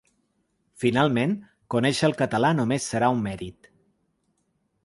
Finalment, conèixer el català només serà un mèrit.